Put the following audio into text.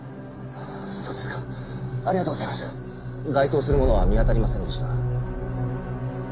該当するものは見当たりませんでした。